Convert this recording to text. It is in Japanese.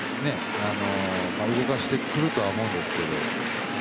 動かしてくるとは思いますけど。